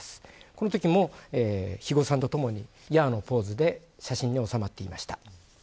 このときも肥後さんとともにヤーのポーズで写真に収まっていました。